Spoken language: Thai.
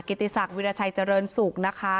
กิติศักดิ์วิราชัยเจริญสุกนะคะ